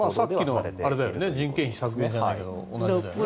さっきの人件費削減じゃないけどあれだよね。